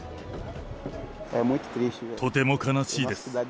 とても悲しいです。